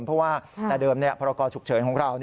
เพราะว่าแต่เดิมพรกรฉุกเฉินของเรา